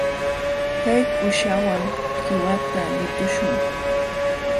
Kay kuuśhawan qiwata lutuśhun.